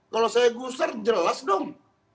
kalau saya gusar jelas dong